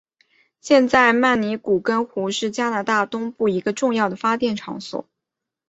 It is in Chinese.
现在曼尼古根湖是加拿大东部一个重要的发电场所。